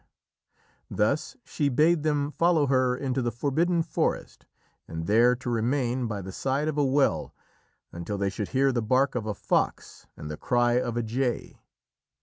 Thus she bade them follow her into the forbidden forest and there to remain, by the side of a well, until they should hear the bark of a fox and the cry of a jay.